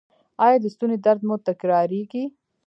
ایا د ستوني درد مو تکراریږي؟